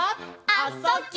「あ・そ・ぎゅ」